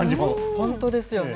本当ですよね。